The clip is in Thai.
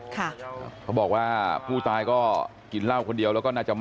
ก็บอกว่าผู้ตายก็กินเหล้าคนเดียว